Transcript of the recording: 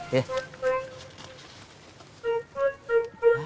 yaudah delapan ribu dah